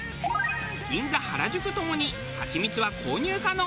銀座原宿ともにハチミツは購入可能。